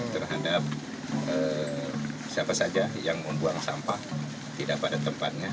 terhadap siapa saja yang membuang sampah tidak pada tempatnya